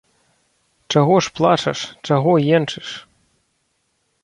Чаго ж плачаш, чаго енчыш?